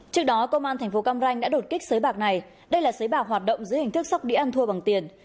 trước đó công an thành phố cam ranh đã đột kích sới bạc này đây là xới bạc hoạt động dưới hình thức sóc đĩa ăn thua bằng tiền